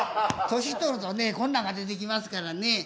年取るとねこんなんが出てきますからね。